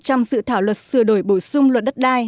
trong dự thảo luật sửa đổi bổ sung luật đất đai